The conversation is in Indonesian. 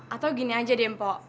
atau gini aja deh mpok